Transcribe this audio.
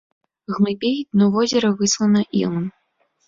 Глыбей дно возера выслана ілам.